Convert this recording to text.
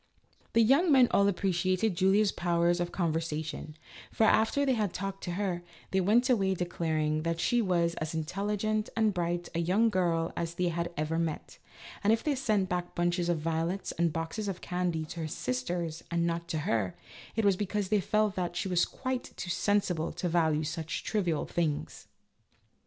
The young men all appreciated Julia's powers of conversation, for, after they had talked to her, they went away declaring that she was as intelligent and bright a girl as they had ever met, and if they sent back bunches of violets and boxes of candy to her sisters and not to her, it was because they felt that she was quite too sensible to value such trivial things.